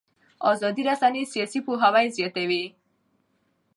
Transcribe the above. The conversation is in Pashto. ازادې رسنۍ سیاسي پوهاوی زیاتوي